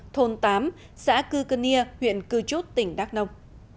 thôn tám xã cư cân nia huyện cư chốt tỉnh đắk nông